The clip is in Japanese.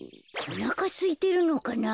おなかすいてるのかな？